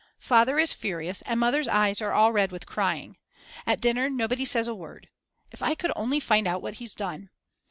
Father is furious and Mother's eyes are all red with crying. At dinner nobody says a word. If I could only find out what he's done.